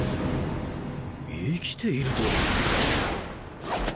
生きているとは！